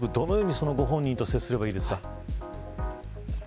どのようにご本人と接すればいいですか。